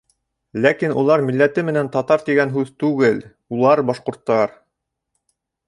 Ләкин улар милләте менән татар тигән һүҙ түгел, улар — башҡорттар.